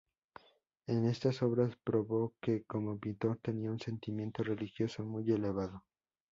En estas obras probó que, como pintor, tenía un sentimiento religioso muy elevado.